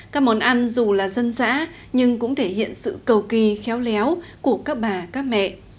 các món ăn dù là dân dã nhưng cũng thể hiện sự cầu kỳ khéo léo của các bà các mẹ